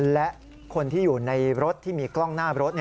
และคนที่อยู่ในรถที่มีกล้องหน้ารถ